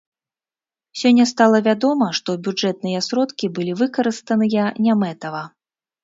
Сёння стала вядома, што бюджэтныя сродкі былі выкарыстаныя нямэтава.